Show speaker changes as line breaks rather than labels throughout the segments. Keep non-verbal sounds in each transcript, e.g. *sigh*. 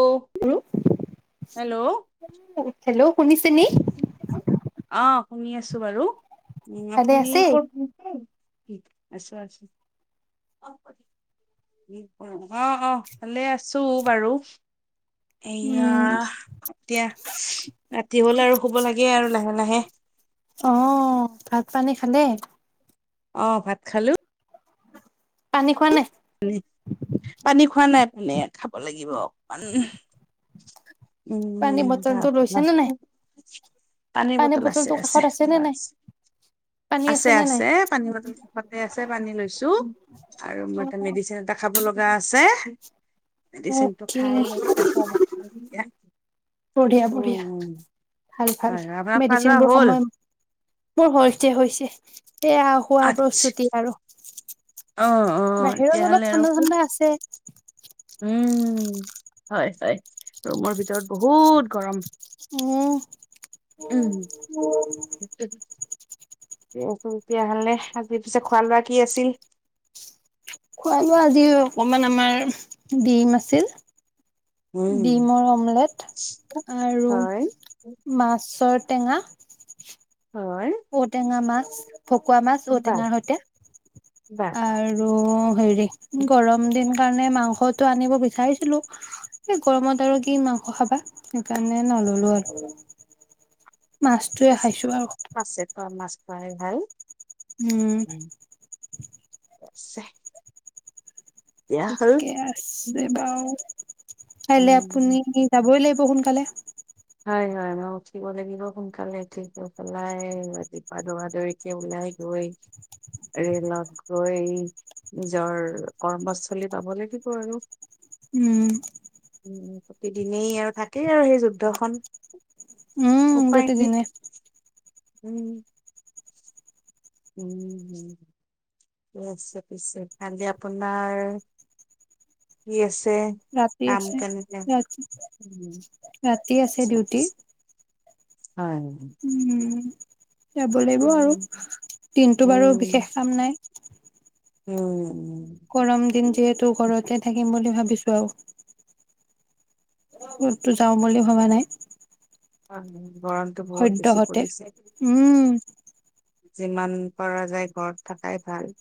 অ', hello,
hello, শুনিছে নি?
অ ', শুনি আছো বাৰু। উম',
ভালে
আপুনি
আছে?
কৰ উম', আছো -আছো অ', - অ', ভালে আছো বাৰু। এয়া
উম।
', এতিয়া ৰাতি হ'ল আৰু শুব লাগে আৰু লাহে - লাহে। *inaudible*
অহ ', ভাত পানী খালে?
অ', ভাত খালো।
পানী খোৱা নাই?
পানী খোৱা নাই পানে খাব লাগিব অকমান
পানী
উম ',
বটলটো লৈছে
ভাপ
নে নাই?
পানীৰ বটল আছে-
বটলটো
আছে
কাষত নে
-
নাই? পানী
আছে
নে
-
নাই?
আছে পানীৰ বটলফতে আছে পানী লৈছো। আৰু মই মেডিচিন এটা খাব লগ গা আছে মেডিচিন টো
অকে,
খাই লৈ ৰাখো এতিয়া।
বঢ়িয়া - বঢ়িয়া ভাল -ভাল
হয় আপোনাৰ খোৱা
মেডিচিন
লোৱা
বোৰ
হ'ল?
সময় মোৰ হৈছে -হৈছে সেয়া হোৱা
আচ্ছা,
প্ৰস্তুতি আৰু
অ', অ',
বাহিৰত
তেতিয়াহ'লে
অলপ
আৰু
ঠাণ্ডা - ঠাণ্ডা আছে। এক
উম, হয়- হয় ৰুমৰ ভিতৰত বহুত গৰম।
ম',
উম।
উ', -উ',
তেতিয়াহ'লে আজি পিছে খোৱা লোৱা কি আছিল?
খোৱ-লোৱা আজি অকমান আমাৰ ডিম আছিল।
উম,
ডিমৰ অমলেট আৰু
হয়,
মাছত টেঙা
হয়,
ঔটেঙা মা *inaudible* ভকুৱা মাছ ঔ
বাহ,
টেঙাৰ সৈতে।
বাহ, বাহ।
আৰু, হেৰি
ঠিক
গৰম দিন কাৰণে মাংসটো আনিব বিচাৰিছিলো এই গৰমত আৰু কি মাংস খাবা সেইকাৰণে নল'লো আৰু। মাছটোৱে খাইছোঁ আৰু।
হয় ভাল।
উম।
বছে
ঠিকে আছে বাৰু কাইলৈ
উম।
আপুনি যাবই লাগিব সোনকালে। কালে।
হয়, হয় মই উঠিব লাগিব সোনকালে উঠি পেলাইতিপ দৰা দৌৰিকে ওলাই গৈ ৰেলত গৈ নিজৰ কৰ্মস্থলী পাব লাগিব আৰু
উম
উ প্ৰতিদিনেই আৰু থাকেই আৰু সেই য দখন
উম
উপ উপাইতি
গোটেইদিনে
উম। উম, ঠিক আছে পিছে কালি আপোনাৰ কি আছে?
ৰাতি
কাম
আছে,
কেনেকে
ৰাতি,
উম,
ৰাতি আছে
আচ্ছা,
ডিউটি।
আচ্ছা হয়।
উম। যাব লাগিব আৰু
উম,
দিনটো বাৰু বিশেষ কাম নাই।
উম, উ, উম।
গৰম দিন যে। তো ঘৰতে থাকিম বুলি ভাবিছো আৰু। ক'ততো যাওঁ বুলি ভবা নাই।
*inaudible* গৰমটো বহুত বেছি
সদ্যহতে
পৰিছে।
উম
যিমান পৰা যায় ঘৰত থাকাই ভাল।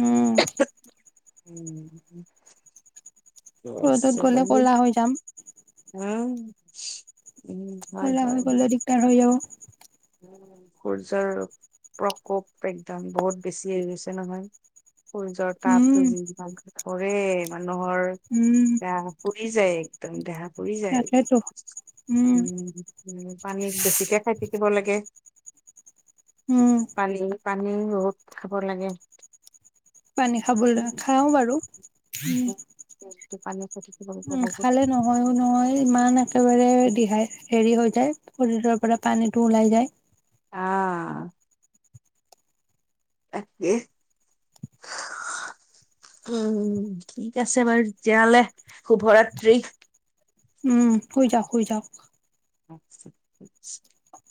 উম।
উম।
ৰ'দত গ'লে ক'লা হৈ যাম।
উম। উম হয়
ক'লা
হয়
হৈ
হয়।
গ'লে দিগদাৰ হৈ যাব।
সূৰ্যৰ প্ৰকোপ একদম বহুত বেছি হৈ গৈছে নহয় সূৰ্যৰ
উম
তাপতটো যি ভাল ঘৰে মানে মানুহৰ
উম
গা পুৰি যায় একদম দেহাত পৰি যায়
তাকেতো উম
উ পানী বেছিকে খাই থাকি থিব লাগে
উম
পানী পানী বহুত খাব লাগে
পানী খাবলৈ খাওঁ বাৰু উম
টো পানী খাই থাকিব লাগে
উম
বহুত
খালে নহয়ো নহয় ইমান একেবাৰে অ দিহা হেৰি হল শৰীৰৰ পৰা পানীটো ওলাই যায়
অহ তাকে উম ঠিক আছে বাৰু তেতিয়াহলে শুভ ৰাত্ৰি
উ শুই যাওক শুই যাওক
অ